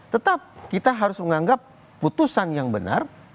tetap kita harus menganggap putusan yang benar